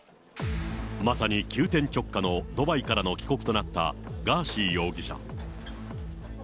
まさに急転直下のドバイからの帰国となったガーシー容疑者。